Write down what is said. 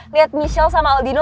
beruta setendah saja